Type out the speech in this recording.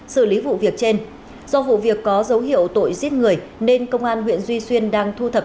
xử lý vụ việc trên do vụ việc có dấu hiệu tội giết người nên công an huyện duy xuyên đang thu thập